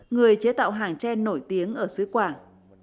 người chế tạo hàng tre nổi tiếng ở xứ quảng